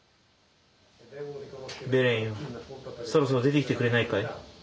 ベレンよそろそろ出てきてくれないかい。